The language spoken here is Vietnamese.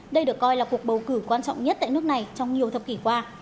đây được coi là cuộc bầu cử quan trọng nhất tại nước này trong nhiều thập kỷ qua